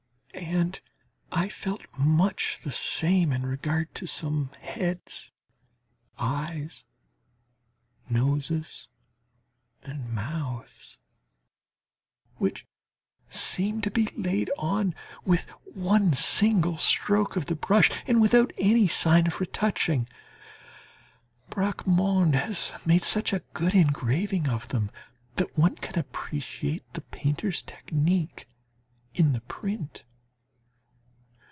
And I felt much the same in regard to some heads, eyes, noses and mouths, which seemed to be laid on with one single stroke of the brush, and without any sign of retouching. Bracquemond has made such good engravings of them that one can appreciate the painter's technique in the print.